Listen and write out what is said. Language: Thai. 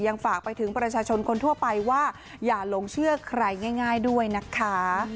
ฝากไปถึงประชาชนคนทั่วไปว่าอย่าหลงเชื่อใครง่ายด้วยนะคะ